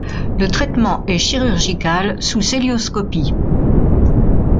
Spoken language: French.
Le traitement est chirurgical, sous cœlioscopie.